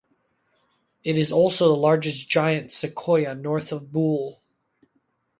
It is also the largest giant sequoia north of Boole.